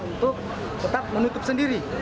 untuk tetap menutup sendiri